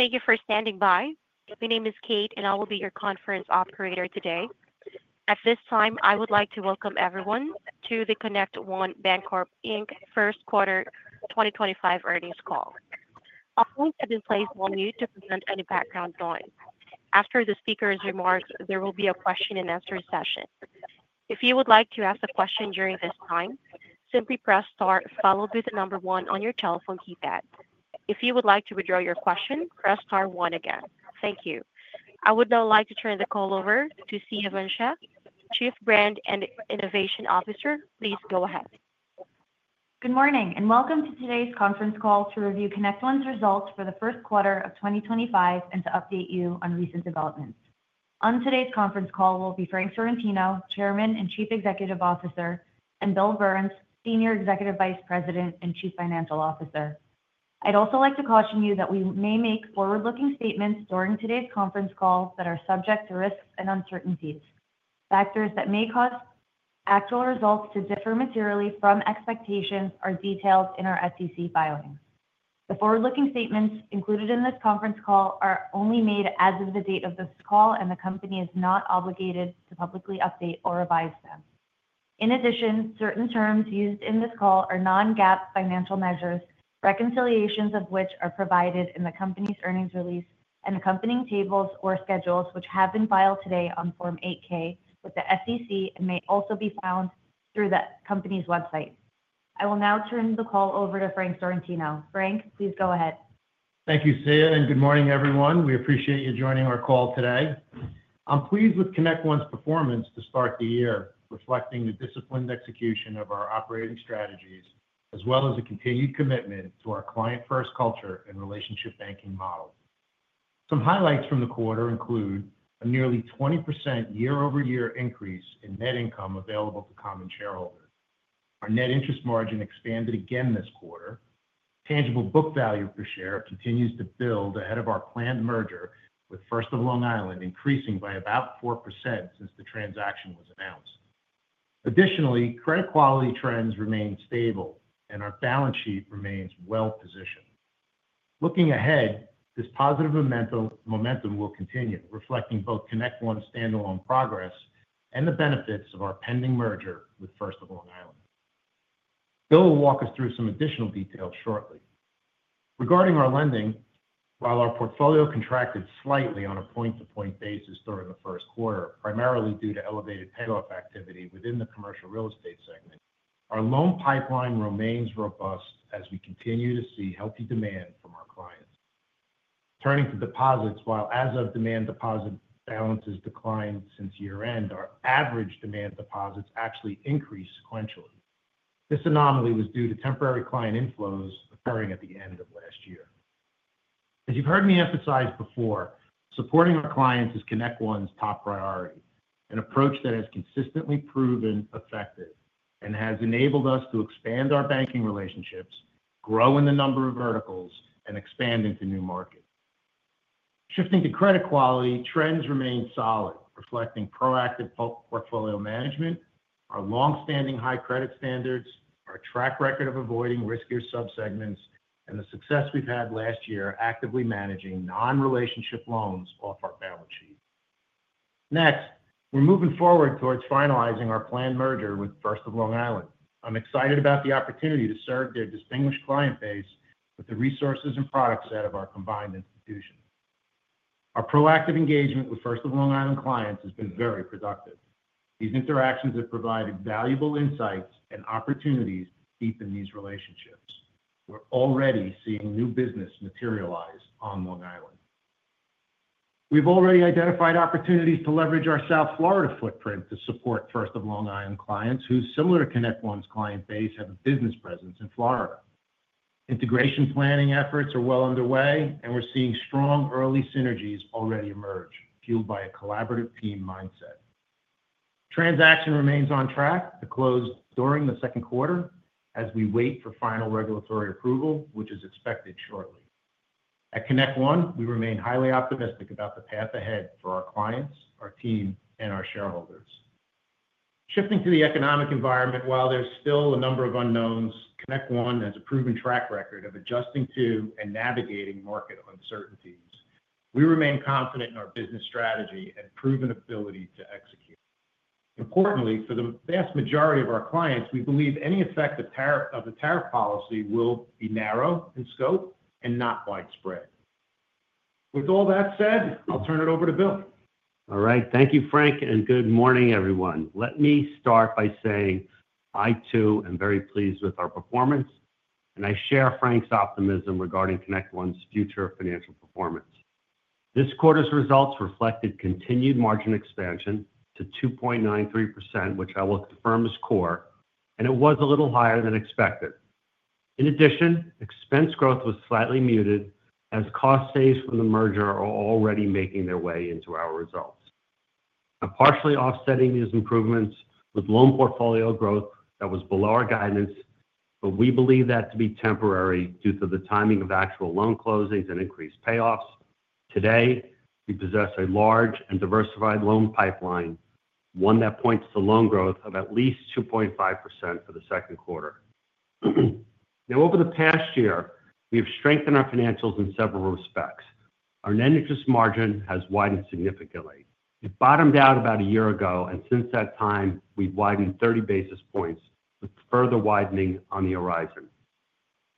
Thank you for standing by. My name is Kate, and I will be your conference operator today. At this time, I would like to welcome everyone to the ConnectOne Bancorp First Quarter 2025 earnings call. A point has been placed on mute to prevent any background noise. After the speaker's remarks, there will be a question-and-answer session. If you would like to ask a question during this time, simply press star, followed by the number one on your telephone keypad. If you would like to withdraw your question, press star one again. Thank you. I would now like to turn the call over to Siya Vansia, Chief Brand and Innovation Officer. Please go ahead. Good morning, and welcome to today's conference call to review ConnectOne's results for the first quarter of 2025 and to update you on recent developments. On today's conference call, we'll be Frank Sorrentino, Chairman and Chief Executive Officer, and Bill Burns, Senior Executive Vice President and Chief Financial Officer. I'd also like to caution you that we may make forward-looking statements during today's conference call that are subject to risks and uncertainties. Factors that may cause actual results to differ materially from expectations are detailed in our SEC filing. The forward-looking statements included in this conference call are only made as of the date of this call, and the company is not obligated to publicly update or revise them. In addition, certain terms used in this call are non-GAAP financial measures, reconciliations of which are provided in the company's earnings release, and accompanying tables or schedules which have been filed today on Form 8-K with the SEC and may also be found through the company's website. I will now turn the call over to Frank Sorrentino. Frank, please go ahead. Thank you, Siya, and good morning, everyone. We appreciate you joining our call today. I'm pleased with ConnectOne's performance to start the year, reflecting the disciplined execution of our operating strategies, as well as a continued commitment to our client-first culture and relationship banking model. Some highlights from the quarter include a nearly 20% year-over-year increase in net income available to common shareholders. Our net interest margin expanded again this quarter. Tangible book value per share continues to build ahead of our planned merger with First of Long Island, increasing by about 4% since the transaction was announced. Additionally, credit quality trends remain stable, and our balance sheet remains well-positioned. Looking ahead, this positive momentum will continue, reflecting both ConnectOne's standalone progress and the benefits of our pending merger with First of Long Island. Bill will walk us through some additional details shortly. Regarding our lending, while our portfolio contracted slightly on a point-to-point basis during the first quarter, primarily due to elevated payoff activity within the commercial real estate segment, our loan pipeline remains robust as we continue to see healthy demand from our clients. Turning to deposits, while as-of demand deposit balances declined since year-end, our average demand deposits actually increased sequentially. This anomaly was due to temporary client inflows occurring at the end of last year. As you've heard me emphasize before, supporting our clients is ConnectOne's top priority, an approach that has consistently proven effective and has enabled us to expand our banking relationships, grow in the number of verticals, and expand into new markets. Shifting to credit quality, trends remain solid, reflecting proactive portfolio management, our long-standing high credit standards, our track record of avoiding riskier subsegments, and the success we've had last year actively managing non-relationship loans off our balance sheet. Next, we're moving forward towards finalizing our planned merger with First of Long Island. I'm excited about the opportunity to serve their distinguished client base with the resources and product set of our combined institution. Our proactive engagement with First of Long Island clients has been very productive. These interactions have provided valuable insights and opportunities to deepen these relationships. We're already seeing new business materialize on Long Island. We've already identified opportunities to leverage our South Florida footprint to support First of Long Island clients whose, similar to ConnectOne's client base, have a business presence in Florida. Integration planning efforts are well underway, and we're seeing strong early synergies already emerge, fueled by a collaborative team mindset. The transaction remains on track to close during the second quarter as we wait for final regulatory approval, which is expected shortly. At ConnectOne, we remain highly optimistic about the path ahead for our clients, our team, and our shareholders. Shifting to the economic environment, while there's still a number of unknowns, ConnectOne has a proven track record of adjusting to and navigating market uncertainties. We remain confident in our business strategy and proven ability to execute. Importantly, for the vast majority of our clients, we believe any effect of the tariff policy will be narrow in scope and not widespread. With all that said, I'll turn it over to Bill. All right. Thank you, Frank, and good morning, everyone. Let me start by saying I too am very pleased with our performance, and I share Frank's optimism regarding ConnectOne's future financial performance. This quarter's results reflected continued margin expansion to 2.93%, which I will confirm is core, and it was a little higher than expected. In addition, expense growth was slightly muted as cost savings from the merger are already making their way into our results. Partially offsetting these improvements was loan portfolio growth that was below our guidance, but we believe that to be temporary due to the timing of actual loan closings and increased payoffs. Today, we possess a large and diversified loan pipeline, one that points to loan growth of at least 2.5% for the second quarter. Now, over the past year, we have strengthened our financials in several respects. Our net interest margin has widened significantly. It bottomed out about a year ago, and since that time, we've widened 30 basis points, with further widening on the horizon.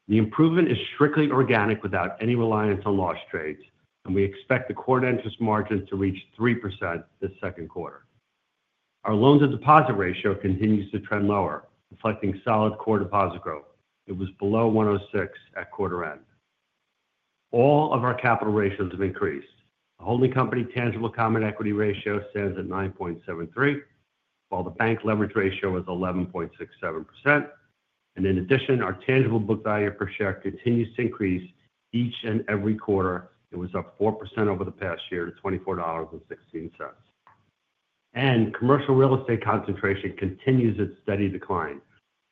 The improvement is strictly organic without any reliance on loss trades, and we expect the quarter interest margins to reach 3% this second quarter. Our loan-to-deposit ratio continues to trend lower, reflecting solid core deposit growth. It was below 106 at quarter end. All of our capital ratios have increased. The holding company tangible common equity ratio stands at 9.73, while the bank leverage ratio was 11.67%. In addition, our tangible book value per share continues to increase each and every quarter. It was up 4% over the past year to $24.16. Commercial real estate concentration continues its steady decline.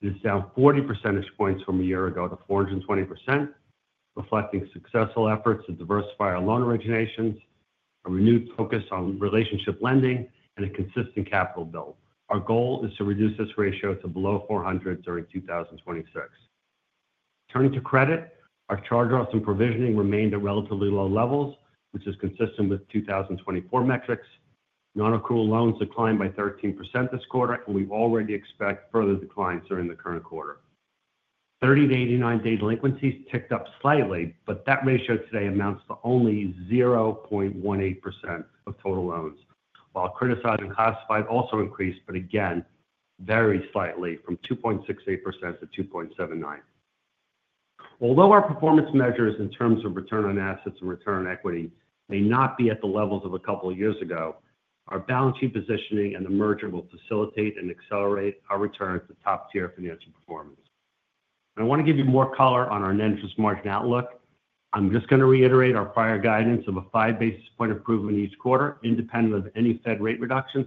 It is down 40 percentage points from a year ago to 420%, reflecting successful efforts to diversify our loan originations, a renewed focus on relationship lending, and a consistent capital build. Our goal is to reduce this ratio to below 400 during 2026. Turning to credit, our charge-offs and provisioning remained at relatively low levels, which is consistent with 2024 metrics. Non-accrual loans declined by 13% this quarter, and we already expect further declines during the current quarter. 30-89 day delinquencies ticked up slightly, but that ratio today amounts to only 0.18% of total loans, while criticized and classified also increased, but again, very slightly, from 2.68% to 2.79%. Although our performance measures in terms of return on assets and return on equity may not be at the levels of a couple of years ago, our balance sheet positioning and the merger will facilitate and accelerate our returns to top-tier financial performance. I want to give you more color on our net interest margin outlook. I'm just going to reiterate our prior guidance of a five-basis point improvement each quarter, independent of any Fed rate reductions,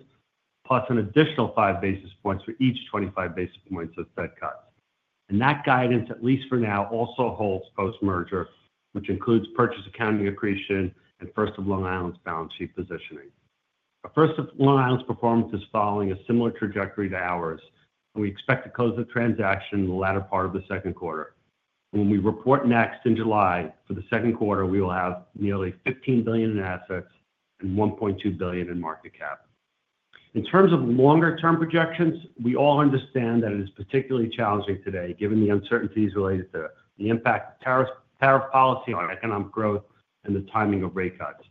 plus an additional five basis points for each 25 basis points of Fed cuts. That guidance, at least for now, also holds post-merger, which includes purchase accounting accretion and First of Long Island's balance sheet positioning. First of Long Island's performance is following a similar trajectory to ours, and we expect to close the transaction in the latter part of the second quarter. When we report next in July for the second quarter, we will have nearly $15 billion in assets and $1.2 billion in market cap. In terms of longer-term projections, we all understand that it is particularly challenging today, given the uncertainties related to the impact of tariff policy on economic growth and the timing of rate cuts.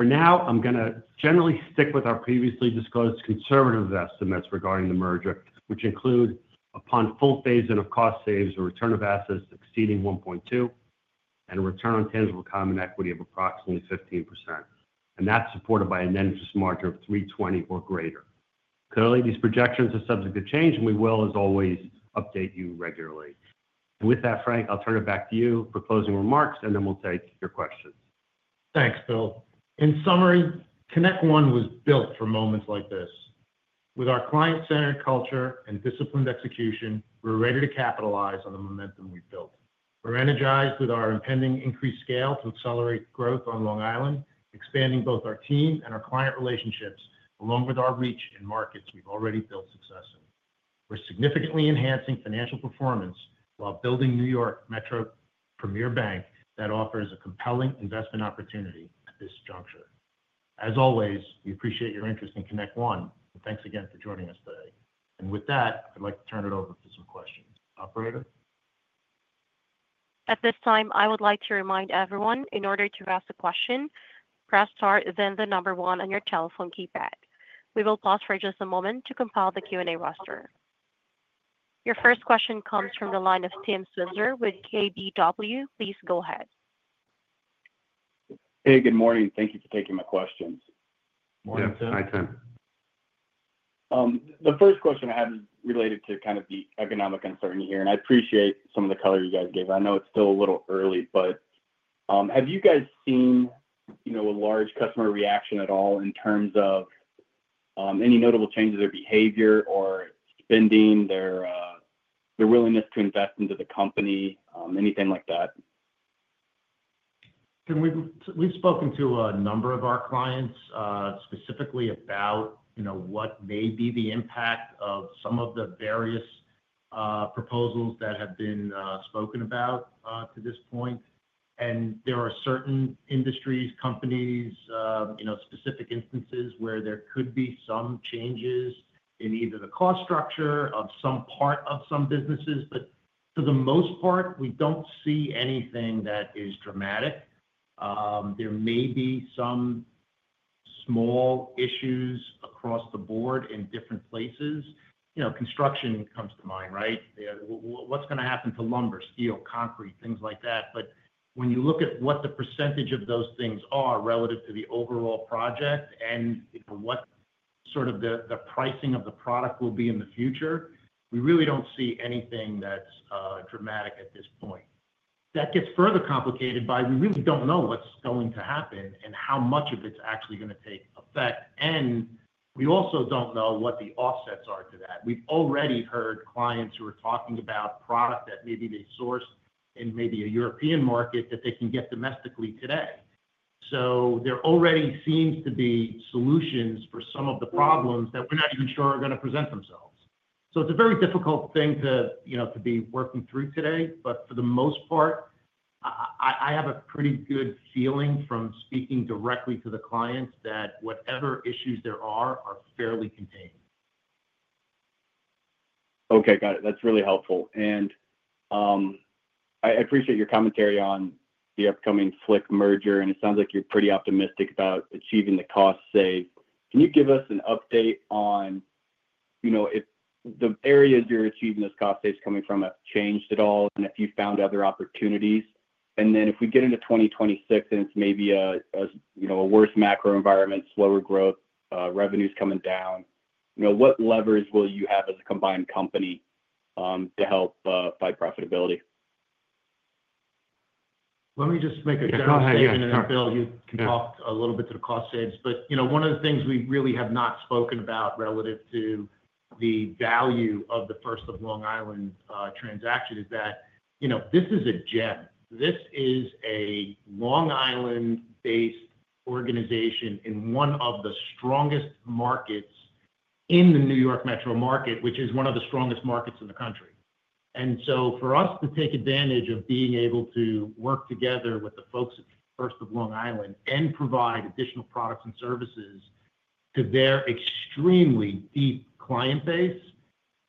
For now, I'm going to generally stick with our previously disclosed conservative estimates regarding the merger, which include upon full phasing of cost savings and return on assets exceeding 1.2% and a return on tangible common equity of approximately 15%. That is supported by a net interest margin of 3.20% or greater. Clearly, these projections are subject to change, and we will, as always, update you regularly. With that, Frank, I'll turn it back to you for closing remarks, and then we'll take your questions. Thanks, Bill. In summary, ConnectOne was built for moments like this. With our client-centered culture and disciplined execution, we're ready to capitalize on the momentum we've built. We're energized with our impending increased scale to accelerate growth on Long Island, expanding both our team and our client relationships, along with our reach in markets we've already built success in. We're significantly enhancing financial performance while building New York Metro premier bank that offers a compelling investment opportunity at this juncture. As always, we appreciate your interest in ConnectOne. Thanks again for joining us today. With that, I'd like to turn it over to some questions. Operator. At this time, I would like to remind everyone, in order to ask a question, press star, then the number one on your telephone keypad. We will pause for just a moment to compile the Q&A roster. Your first question comes from the line of Tim Switzer with KBW. Please go ahead. Hey, good morning. Thank you for taking my questions. Morning, Tim. Yes, hi, Tim. The first question I had related to kind of the economic uncertainty here, and I appreciate some of the color you guys gave. I know it's still a little early, but have you guys seen a large customer reaction at all in terms of any notable changes in their behavior or spending, their willingness to invest into the company, anything like that? We've spoken to a number of our clients specifically about what may be the impact of some of the various proposals that have been spoken about to this point. There are certain industries, companies, specific instances where there could be some changes in either the cost structure of some part of some businesses. For the most part, we don't see anything that is dramatic. There may be some small issues across the board in different places. Construction comes to mind, right? What's going to happen to lumber, steel, concrete, things like that? When you look at what the percentage of those things are relative to the overall project and what sort of the pricing of the product will be in the future, we really don't see anything that's dramatic at this point. That gets further complicated by we really don't know what's going to happen and how much of it's actually going to take effect. We also don't know what the offsets are to that. We've already heard clients who are talking about product that maybe they sourced in maybe a European market that they can get domestically today. There already seems to be solutions for some of the problems that we're not even sure are going to present themselves. It's a very difficult thing to be working through today, but for the most part, I have a pretty good feeling from speaking directly to the clients that whatever issues there are are fairly contained. Okay, got it. That's really helpful. I appreciate your commentary on the upcoming First of Long Island merger, and it sounds like you're pretty optimistic about achieving the cost save. Can you give us an update on if the areas you're achieving this cost save is coming from have changed at all, and if you've found other opportunities? If we get into 2026 and it's maybe a worse macro environment, slower growth, revenues coming down, what levers will you have as a combined company to help fight profitability? Let me just make a general statement. Go ahead. Bill, you can talk a little bit to the cost savings. One of the things we really have not spoken about relative to the value of the First of Long Island transaction is that this is a gem. This is a Long Island-based organization in one of the strongest markets in the New York Metro market, which is one of the strongest markets in the country. For us to take advantage of being able to work together with the folks at First of Long Island and provide additional products and services to their extremely deep client base,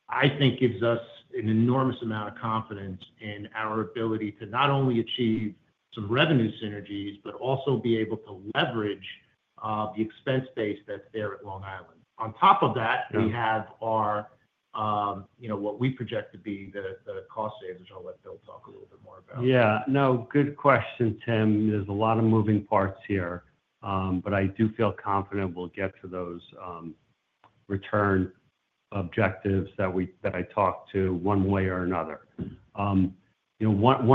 I think gives us an enormous amount of confidence in our ability to not only achieve some revenue synergies, but also be able to leverage the expense base that is there at Long Island. On top of that, we have what we project to be the cost savings, which I'll let Bill talk a little bit more about. Yeah. No, good question, Tim. There's a lot of moving parts here, but I do feel confident we'll get to those return objectives that I talked to one way or another. One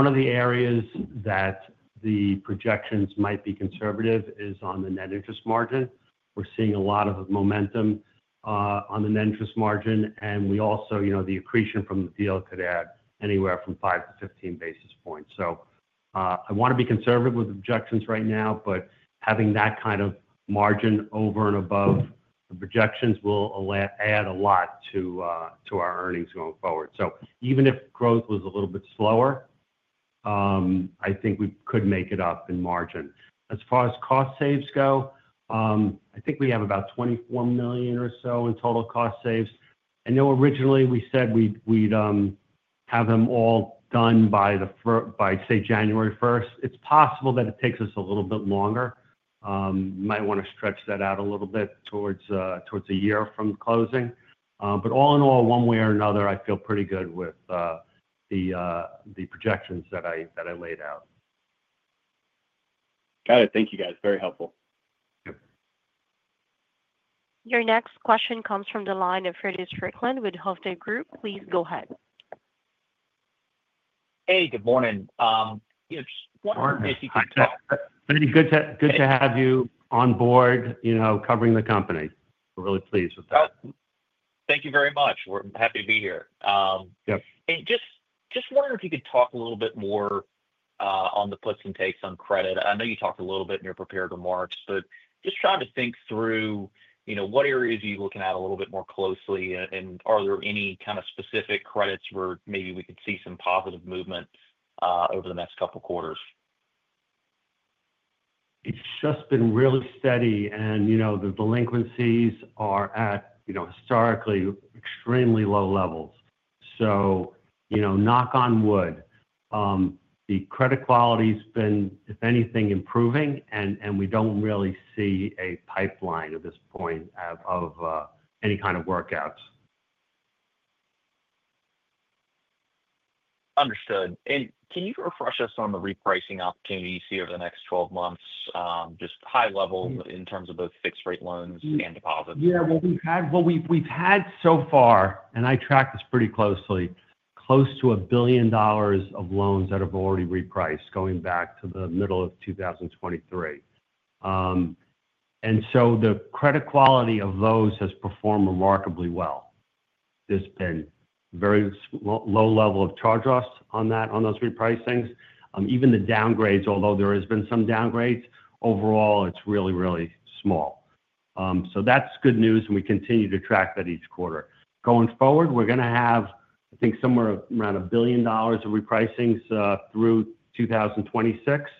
of the areas that the projections might be conservative is on the net interest margin. We're seeing a lot of momentum on the net interest margin, and we also the accretion from the deal could add anywhere from 5 to 15 basis points. I want to be conservative with objections right now, but having that kind of margin over and above the projections will add a lot to our earnings going forward. Even if growth was a little bit slower, I think we could make it up in margin. As far as cost saves go, I think we have about $24 million or so in total cost saves. I know originally we said we'd have them all done by, say, January 1. It's possible that it takes us a little bit longer. We might want to stretch that out a little bit towards a year from closing. All in all, one way or another, I feel pretty good with the projections that I laid out. Got it. Thank you, guys. Very helpful. Yep. Your next question comes from the line of Feddie Strickland with Hovde Group. Please go ahead. Hey, good morning. Mark. Good to have you on board covering the company. We're really pleased with that. Thank you very much. We're happy to be here. Yep. Just wondering if you could talk a little bit more on the puts and takes on credit. I know you talked a little bit in your prepared remarks, but just trying to think through what areas are you looking at a little bit more closely, and are there any kind of specific credits where maybe we could see some positive movement over the next couple of quarters? It's just been really steady, and the delinquencies are at historically extremely low levels. Knock on wood, the credit quality's been, if anything, improving, and we don't really see a pipeline at this point of any kind of workout. Understood. Can you refresh us on the repricing opportunities here over the next 12 months, just high level in terms of both fixed-rate loans and deposits? Yeah. We've had so far, and I track this pretty closely, close to $1 billion of loans that have already repriced going back to the middle of 2023. The credit quality of those has performed remarkably well. There's been a very low level of charge-offs on those repricings. Even the downgrades, although there have been some downgrades, overall, it's really, really small. That's good news, and we continue to track that each quarter. Going forward, we're going to have, I think, somewhere around $1 billion of repricings through 2026.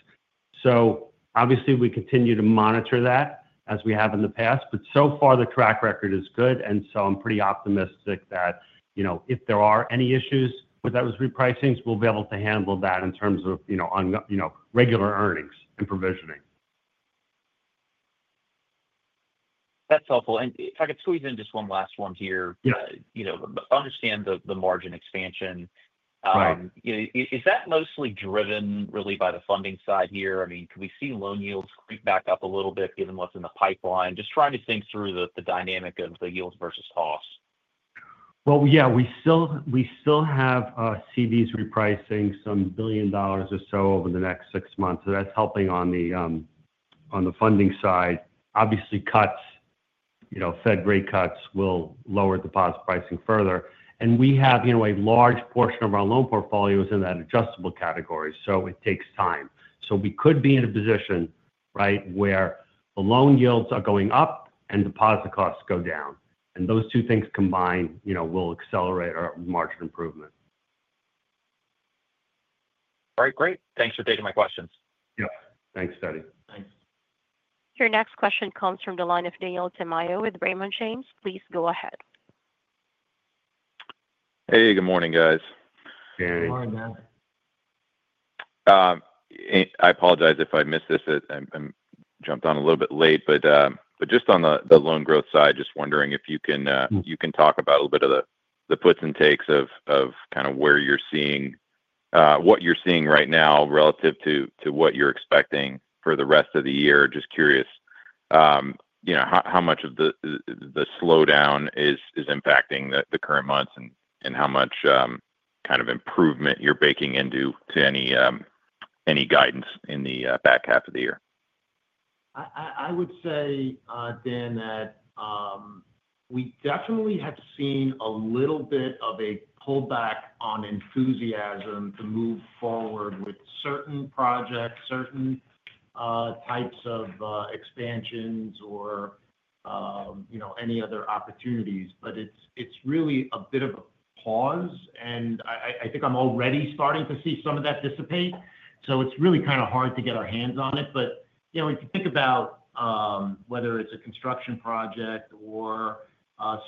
Obviously, we continue to monitor that as we have in the past, but so far, the track record is good, and I'm pretty optimistic that if there are any issues with those repricings, we'll be able to handle that in terms of regular earnings and provisioning. That's helpful. If I could squeeze in just one last one here. Yeah. I understand the margin expansion. Right. Is that mostly driven really by the funding side here? I mean, can we see loan yields creep back up a little bit, given what's in the pipeline? Just trying to think through the dynamic of the yields versus costs. Yeah, we still have CDs repricing, some billion dollars or so over the next six months. That is helping on the funding side. Obviously, Fed rate cuts will lower deposit pricing further. We have a large portion of our loan portfolios in that adjustable category, so it takes time. We could be in a position, right, where the loan yields are going up and deposit costs go down. Those two things combined will accelerate our margin improvement. All right. Great. Thanks for taking my questions. Yeah. Thanks, Steady. Thanks. Your next question comes from the line of Daniel Tamayo with Raymond James. Please go ahead. Hey, good morning, guys. Good morning, Dan. I apologize if I missed this. I jumped on a little bit late, but just on the loan growth side, just wondering if you can talk about a little bit of the puts and takes of kind of where you're seeing what you're seeing right now relative to what you're expecting for the rest of the year. Just curious how much of the slowdown is impacting the current months and how much kind of improvement you're baking into any guidance in the back half of the year. I would say, Dan, that we definitely have seen a little bit of a pullback on enthusiasm to move forward with certain projects, certain types of expansions, or any other opportunities. It is really a bit of a pause, and I think I'm already starting to see some of that dissipate. It is really kind of hard to get our hands on it. If you think about whether it is a construction project or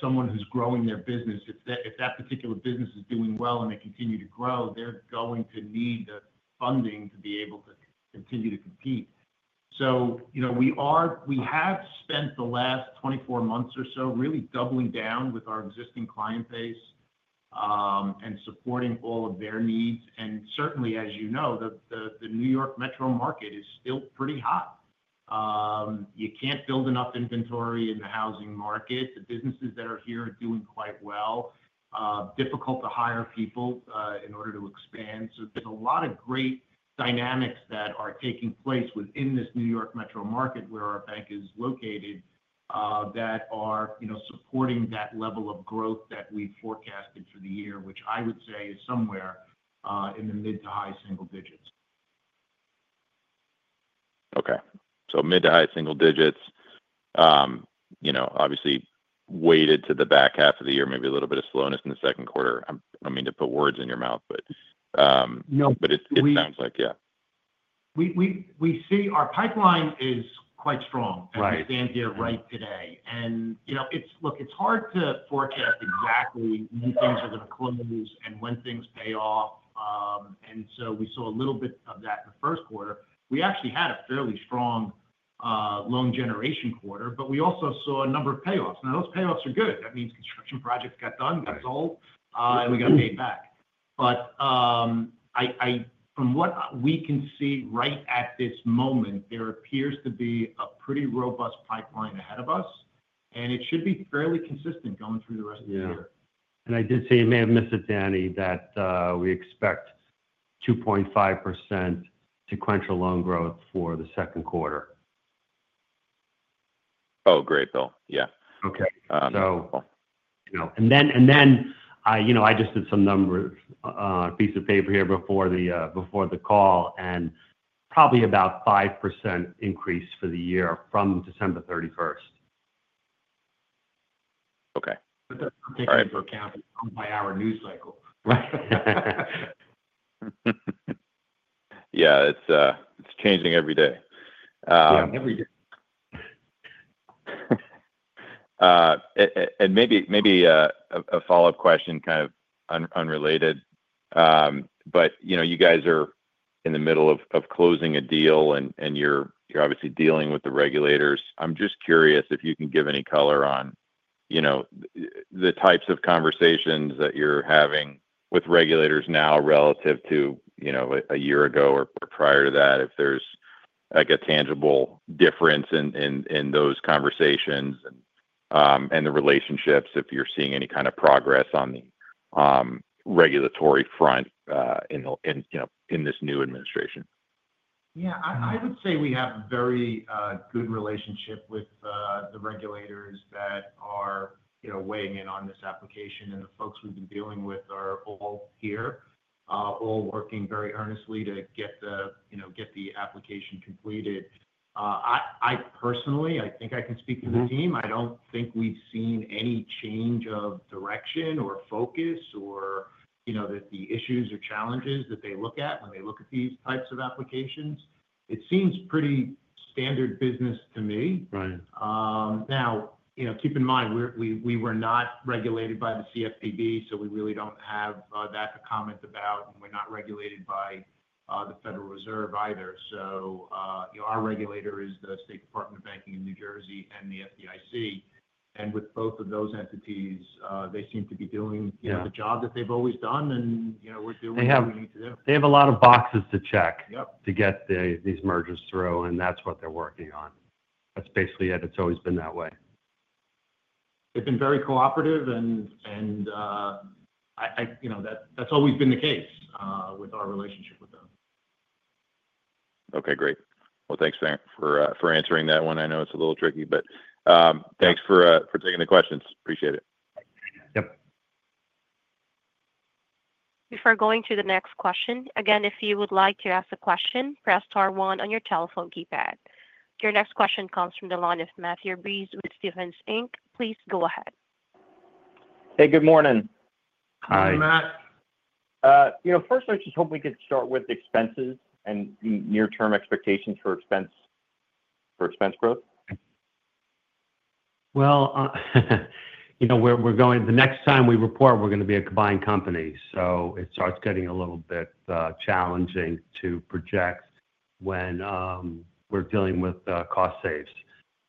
someone who is growing their business, if that particular business is doing well and they continue to grow, they are going to need the funding to be able to continue to compete. We have spent the last 24 months or so really doubling down with our existing client base and supporting all of their needs. Certainly, as you know, the New York Metro market is still pretty hot. You can't build enough inventory in the housing market. The businesses that are here are doing quite well. Difficult to hire people in order to expand. There is a lot of great dynamics that are taking place within this New York Metro market where our bank is located that are supporting that level of growth that we forecasted for the year, which I would say is somewhere in the mid to high single digits. Okay. Mid to high single digits, obviously weighted to the back half of the year, maybe a little bit of slowness in the second quarter. I do not mean to put words in your mouth, but it sounds like, yeah. We see our pipeline is quite strong as we stand here right today. Look, it's hard to forecast exactly when things are going to close and when things pay off. We saw a little bit of that in the first quarter. We actually had a fairly strong loan generation quarter, but we also saw a number of payoffs. Now, those payoffs are good. That means construction projects got done, that's all, and we got paid back. From what we can see right at this moment, there appears to be a pretty robust pipeline ahead of us, and it should be fairly consistent going through the rest of the year. I did say you may have missed it, Danny, that we expect 2.5% sequential loan growth for the second quarter. Oh, great, Bill. Yeah. Okay. So. I just did some numbers, a piece of paper here before the call, and probably about 5% increase for the year from December 31. Okay. That's taken into account by our news cycle. Yeah. It's changing every day. Yeah, every day. Maybe a follow-up question, kind of unrelated, but you guys are in the middle of closing a deal, and you're obviously dealing with the regulators. I'm just curious if you can give any color on the types of conversations that you're having with regulators now relative to a year ago or prior to that, if there's a tangible difference in those conversations and the relationships, if you're seeing any kind of progress on the regulatory front in this new administration. Yeah. I would say we have a very good relationship with the regulators that are weighing in on this application, and the folks we've been dealing with are all here, all working very earnestly to get the application completed. Personally, I think I can speak for the team. I don't think we've seen any change of direction or focus or the issues or challenges that they look at when they look at these types of applications. It seems pretty standard business to me. Now, keep in mind, we were not regulated by the CFPB, so we really don't have that to comment about, and we're not regulated by the Federal Reserve either. Our regulator is the State Department of Banking in New Jersey and the FDIC. With both of those entities, they seem to be doing the job that they've always done, and we're doing what we need to do. They have a lot of boxes to check to get these mergers through, and that's what they're working on. That's basically it. It's always been that way. They've been very cooperative, and that's always been the case with our relationship with them. Okay. Great. Thanks, Frank, for answering that one. I know it's a little tricky, but thanks for taking the questions. Appreciate it. Yep. Before going to the next question, again, if you would like to ask a question, press star one on your telephone keypad. Your next question comes from the line of Matthew Breese with Stephens Inc. Please go ahead. Hey, good morning. Hi. Hi, Matt. First, I just hope we could start with expenses and near-term expectations for expense growth. We're going the next time we report, we're going to be a combined company. It starts getting a little bit challenging to project when we're dealing with cost saves.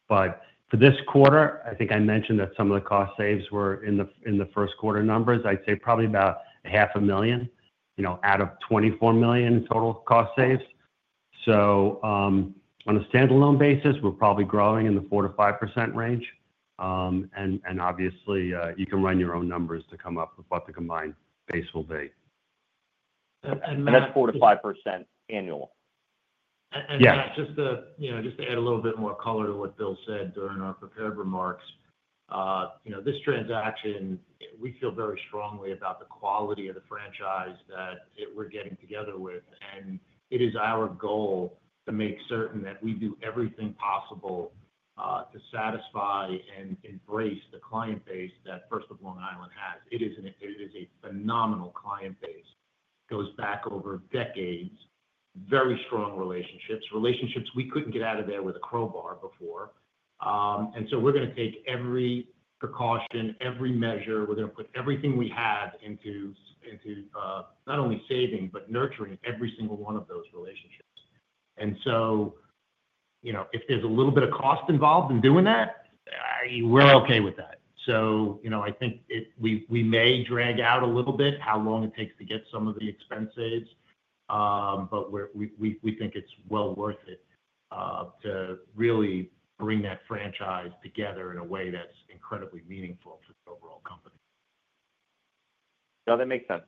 For this quarter, I think I mentioned that some of the cost saves were in the first quarter numbers. I'd say probably about $500,000 out of $24 million total cost saves. On a standalone basis, we're probably growing in the 4%-5% range. Obviously, you can run your own numbers to come up with what the combined base will be. That's 4-5% annual. Just to add a little bit more color to what Bill said during our prepared remarks, this transaction, we feel very strongly about the quality of the franchise that we're getting together with. It is our goal to make certain that we do everything possible to satisfy and embrace the client base that First of Long Island has. It is a phenomenal client base. It goes back over decades, very strong relationships, relationships we couldn't get out of there with a crowbar before. We are going to take every precaution, every measure. We are going to put everything we have into not only saving, but nurturing every single one of those relationships. If there is a little bit of cost involved in doing that, we are okay with that. I think we may drag out a little bit how long it takes to get some of the expenses, but we think it's well worth it to really bring that franchise together in a way that's incredibly meaningful for the overall company. No, that makes sense.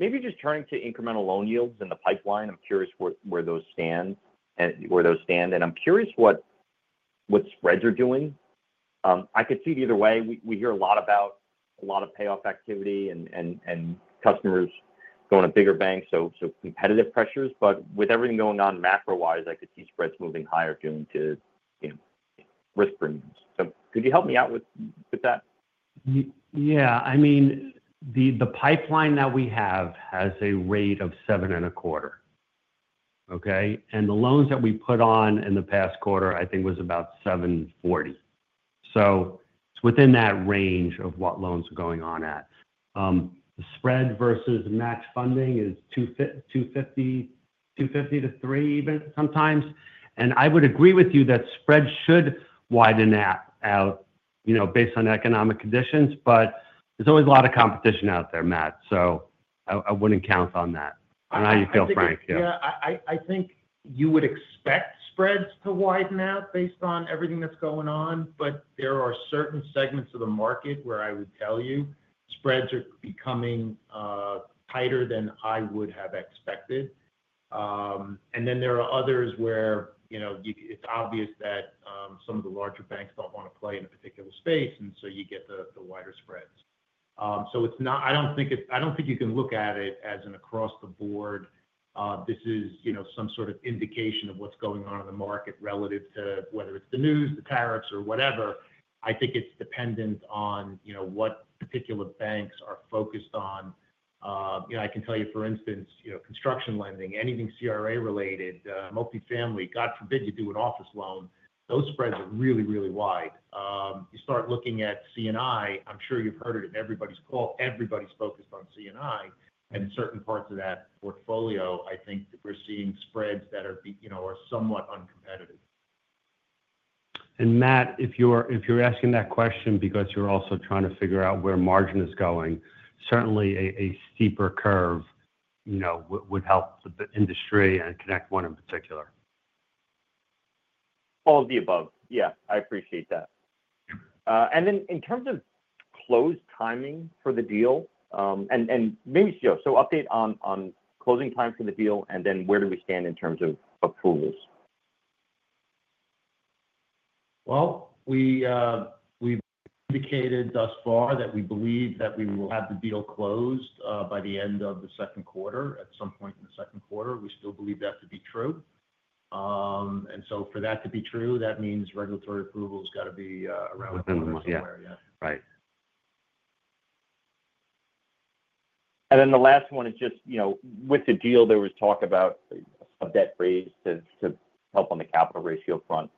Maybe just turning to incremental loan yields in the pipeline. I'm curious where those stand, and I'm curious what spreads are doing. I could see it either way. We hear a lot about a lot of payoff activity and customers going to bigger banks, so competitive pressures. With everything going on macro-wise, I could see spreads moving higher due to risk premiums. Could you help me out with that? Yeah. I mean, the pipeline that we have has a rate of 7.25%, okay? And the loans that we put on in the past quarter, I think, was about 7.40%. So within that range of what loans are going on at, spread versus match funding is 250-300 basis points even sometimes. I would agree with you that spreads should widen out based on economic conditions, but there's always a lot of competition out there, Matt. I would not count on that. I know you feel, Frank. Yeah. I think you would expect spreads to widen out based on everything that's going on, but there are certain segments of the market where I would tell you spreads are becoming tighter than I would have expected. There are others where it's obvious that some of the larger banks don't want to play in a particular space, and so you get the wider spreads. I don't think you can look at it as an across-the-board. This is some sort of indication of what's going on in the market relative to whether it's the news, the tariffs, or whatever. I think it's dependent on what particular banks are focused on. I can tell you, for instance, construction lending, anything CRA-related, multifamily, God forbid you do an office loan, those spreads are really, really wide. You start looking at C&I, I'm sure you've heard it at everybody's call. Everybody's focused on C&I. In certain parts of that portfolio, I think that we're seeing spreads that are somewhat uncompetitive. Matt, if you're asking that question because you're also trying to figure out where margin is going, certainly a steeper curve would help the industry and ConnectOne in particular. All of the above. Yeah. I appreciate that. In terms of close timing for the deal, maybe just an update on closing times for the deal and then where do we stand in terms of approvals? We have indicated thus far that we believe that we will have the deal closed by the end of the second quarter, at some point in the second quarter. We still believe that to be true. For that to be true, that means regulatory approval has got to be around the month or so. Right. The last one is just with the deal, there was talk about a debt raise to help on the capital ratio front.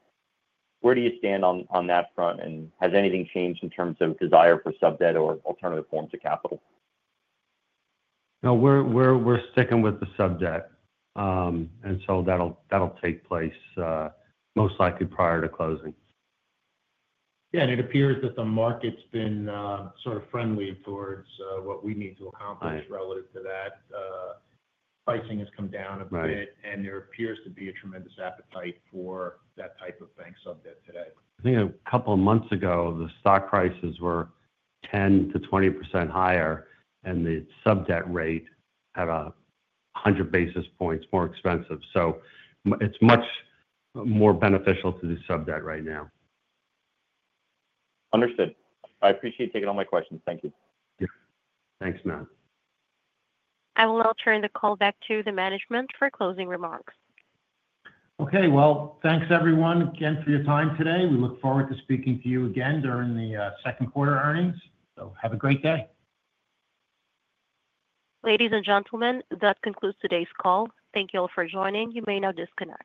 Where do you stand on that front, and has anything changed in terms of desire for sub-debt or alternative forms of capital? No, we're sticking with the sub-debt. That'll take place most likely prior to closing. Yeah. It appears that the market's been sort of friendly towards what we need to accomplish relative to that. Pricing has come down a bit, and there appears to be a tremendous appetite for that type of bank sub-debt today. I think a couple of months ago, the stock prices were 10-20% higher, and the sub-debt rate had 100 basis points more expensive. It is much more beneficial to the sub-debt right now. Understood. I appreciate taking all my questions. Thank you. Thanks, Matt. I will now turn the call back to the management for closing remarks. Okay. Thanks, everyone, again for your time today. We look forward to speaking to you again during the second quarter earnings. Have a great day. Ladies and gentlemen, that concludes today's call. Thank you all for joining. You may now disconnect.